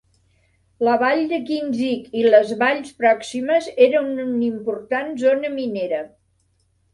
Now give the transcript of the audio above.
La vall de Kinzig i les valls pròximes eren una important zona minera.